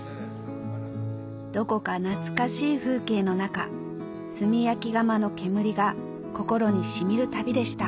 どこか懐かしい風景の中炭焼き窯の煙が心に染みる旅でした